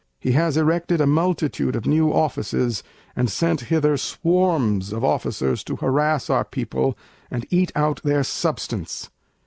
He has erected a multitude of New Offices, and sent hither swarms of Officers to harass our People, and eat out their substance.